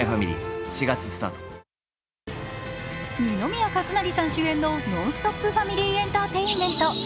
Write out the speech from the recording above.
二宮和也さん主演のノンストップファミリーエンターテインメント。